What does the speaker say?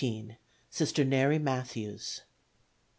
Sister Neri Matthews.